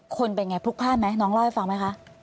คนเป็นไงผู้ข้ามไหมน้องเล่าให้ฟังไหมคะ